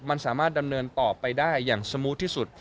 มันสามารถดำเนินต่อไปได้อย่างสมูทที่สุด